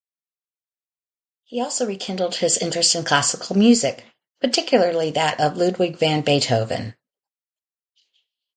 He also rekindled his interest in classical music, particularly that of Ludwig van Beethoven.